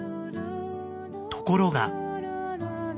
ところが。